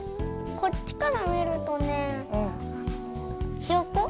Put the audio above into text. こっちからみるとねひよこ？